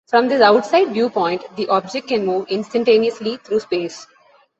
From this outside viewpoint, the object can move instantaneously through space.